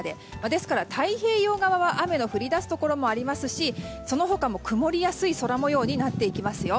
ですから太平洋側は雨の降り出すところもありますしその他も曇りやすい空模様になっていきます。